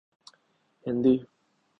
Hindi